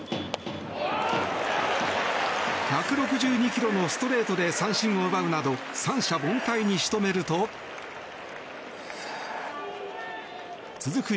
１６２キロのストレートで三振を奪うなど三者凡退に仕留めると続く